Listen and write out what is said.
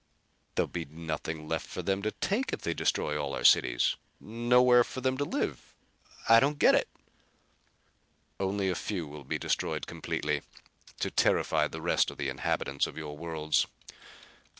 "There'll be nothing left for them to take if they destroy all our cities: nowhere for them to live. I don't get it." "Only a few will be destroyed completely, to terrify the rest of the inhabitants of your worlds.